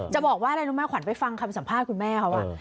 จะบอกว่าอะไรมาขวันไปฟังคำสัมภาษณ์คุณแม่เขา